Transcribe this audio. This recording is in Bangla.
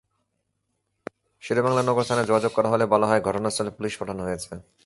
শেরেবাংলা নগর থানায় যোগাযোগ করা হলে বলা হয়, ঘটনাস্থলে পুলিশ পাঠানো হয়েছে।